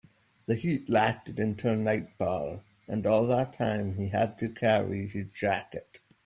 The heat lasted until nightfall, and all that time he had to carry his jacket.